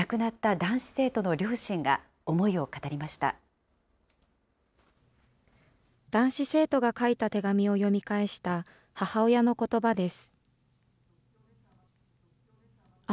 男子生徒が書いた手紙を読み返した母親のことばです。